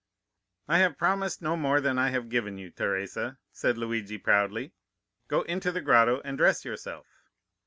"'I have promised no more than I have given you, Teresa,' said Luigi proudly. 'Go into the grotto and dress yourself.